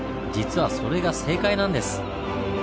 実はそれが正解なんです。